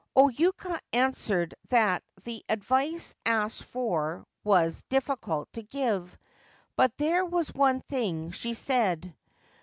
O Yuka answered that the advice asked for was difficult to give ; but there was one thing, she said.